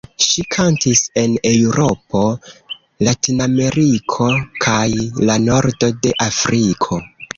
Ŝi kantis en Eŭropo, Latinameriko kaj la nordo de Afriko.